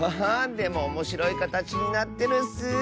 でもおもしろいかたちになってるッス！